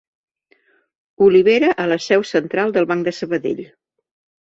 Olivera a la seu central del Banc de Sabadell.